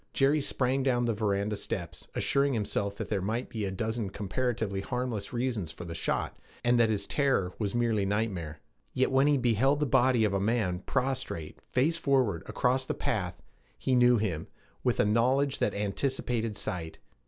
Jerry sprang down the veranda steps, assuring himself that there might be a dozen comparatively harmless reasons for the shot, and that his terror was merely nightmare. Yet when he beheld the body of a man prostrate, face forward, across the path, he knew him, with a knowledge that anticipated sight.